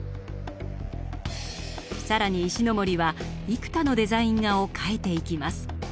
更に石森は幾多のデザイン画を描いていきます。